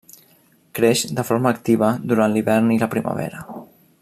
Creix de forma activa durant l'hivern i la primavera.